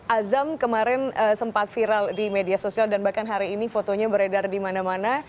azam kemarin sempat viral di media sosial dan bahkan hari ini fotonya beredar di mana mana